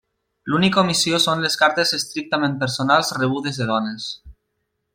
L'única omissió són les cartes estrictament personals rebudes de dones.